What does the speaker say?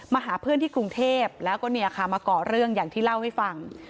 หาเพื่อนที่กรุงเทพแล้วก็เนี่ยค่ะมาก่อเรื่องอย่างที่เล่าให้ฟัง